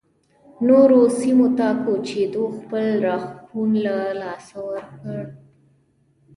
نورو سیمو ته کوچېدو خپل راښکون له لاسه ورکړ